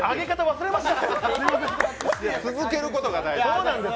続けることが大事です。